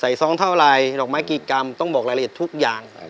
ซองเท่าไรดอกไม้กี่กรัมต้องบอกรายละเอียดทุกอย่าง